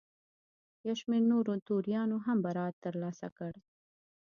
یو شمېر نورو توریانو هم برائت ترلاسه کړ.